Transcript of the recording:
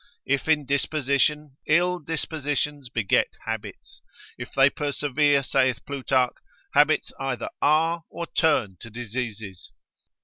If in disposition, ill dispositions beget habits, if they persevere, saith Plutarch, habits either are, or turn to diseases.